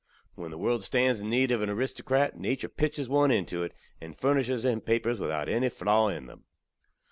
When the world stands in need ov an aristokrat, natur pitches one into it, and furnishes him papers without enny flaw in them.